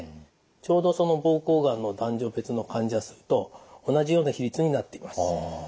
ちょうどその膀胱がんの男女別の患者数と同じような比率になっています。